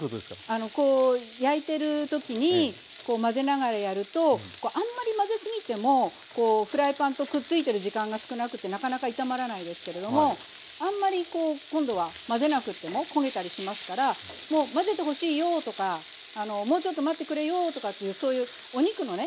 あのこう焼いてる時にこう混ぜながらやるとあんまり混ぜすぎてもこうフライパンとくっついてる時間が少なくってなかなか炒まらないですけれどもあんまりこう今度は混ぜなくっても焦げたりしますから「もう混ぜてほしいよ」とか「もうちょっと待ってくれよ」とかっていうそういうお肉のね